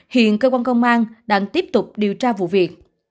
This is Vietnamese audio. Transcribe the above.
hiện cơ quan công an đang tiếp tục điều tra vụ việc